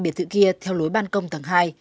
biệt thự kia theo lối ban công thằng hai